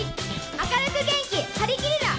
明るく元気はりきリラ！